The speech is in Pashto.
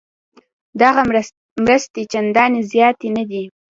دغه مرستې چندانې زیاتې نه دي.